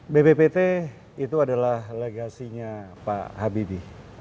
bppt itu adalah legasinya pak habibi